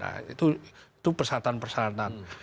nah itu persyaratan persyaratan